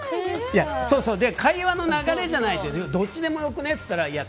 会話の流れじゃない？ってどっちでもよくね？